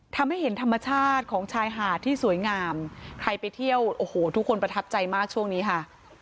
ทำให้เห็นธรรมชาติของชายหาดที่สวยงามใครไปเที่ยวโอ้โหทุกคนประทับใจมากช่วงนี้ค่ะ